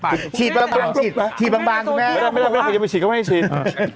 ไม่ได้คนที่มาฉีดก็ไม่ให้ฉีด